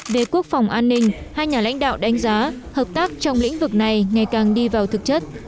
về quốc phòng an ninh hai nhà lãnh đạo đánh giá hợp tác trong lĩnh vực này ngày càng đi vào thực chất